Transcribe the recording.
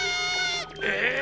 え！